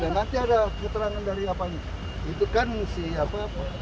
nanti ada keterangan dari apa itu kan si tio